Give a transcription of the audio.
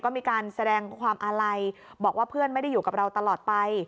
ก็มีการแสดงความอาลัยบอกว่าเพื่อนไม่ได้อยู่กับเราตลอดไป